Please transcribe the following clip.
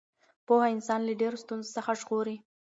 پوهه انسان له ډېرو ستونزو څخه ژغوري.